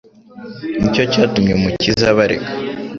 Nicyo cyatumye Umukiza abareka,